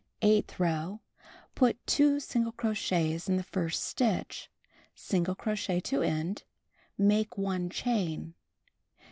Eighth row: Put 2 single crochets in the first stitch; single crochet to end. Make 1 chain.